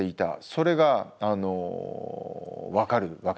それが分かるわけです。